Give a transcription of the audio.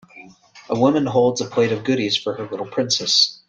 A woman holds a plate of goodies for her little princess.